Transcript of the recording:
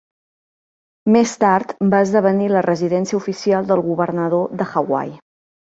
Més tard, va esdevenir la residència oficial del governador de Hawaii.